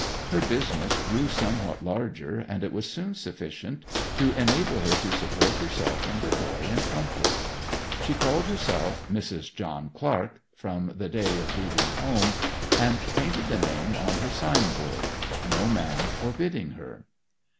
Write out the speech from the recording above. Her business grew somewhat larger, and it was soon sufficient to enable her to support herself and the boy in comfort. She called herself 'Mrs. John Clark' from the day of leaving home, and painted the name on her signboard no man forbidding her.